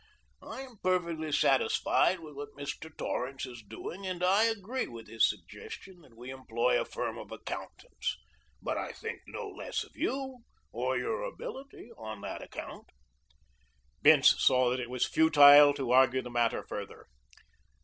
I am perfectly satisfied with what Mr. Torrance is doing, and I agree with his suggestion that we employ a firm of accountants, but I think no less of you or your ability on that account." Bince saw that it was futile to argue the matter further.